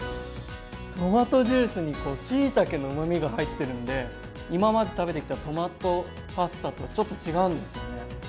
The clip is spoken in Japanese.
トマトジュースにこうしいたけのうまみが入ってるんで今まで食べてきたトマトパスタとはちょっと違うんですよね。